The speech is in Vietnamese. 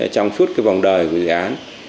trong suốt cái vòng đời của dự án